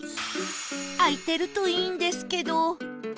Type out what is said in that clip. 開いてるといいんですけど